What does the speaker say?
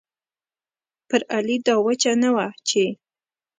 پر علي دا وچه نه وه چې